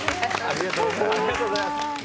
ありがとうございます。